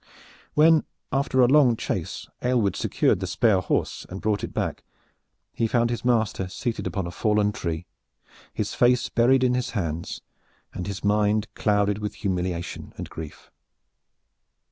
When after a long chase Aylward secured the spare horse and brought it back, he found his master seated upon a fallen tree, his face buried in his hands and his mind clouded with humiliation and grief.